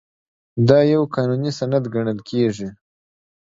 دا یو قانوني سند ګڼل کیږي.